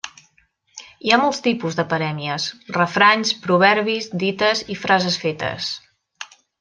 Hi ha molt tipus de parèmies: refranys, proverbis, dites i frases fetes.